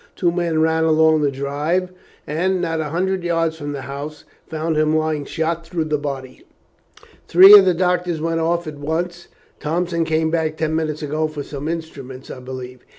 Two men ran along the drive, and, not a hundred yards from the house, found him lying shot through the body. Three of the doctors went off at once. Thompson came back ten minutes ago, for some instruments, I believe.